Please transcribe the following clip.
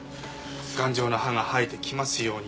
「頑丈な歯が生えてきますように」